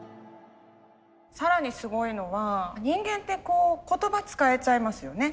更にすごいのは人間って言葉使えちゃいますよね。